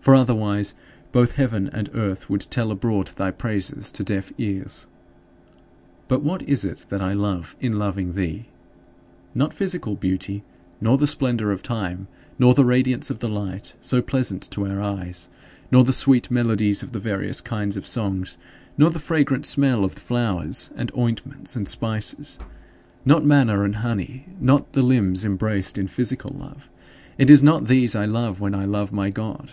For otherwise, both heaven and earth would tell abroad thy praises to deaf ears. But what is it that I love in loving thee? Not physical beauty, nor the splendor of time, nor the radiance of the light so pleasant to our eyes nor the sweet melodies of the various kinds of songs, nor the fragrant smell of flowers and ointments and spices; not manna and honey, not the limbs embraced in physical love it is not these I love when I love my God.